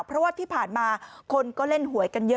เพราะว่าที่ผ่านมาคนก็เล่นหวยกันเยอะ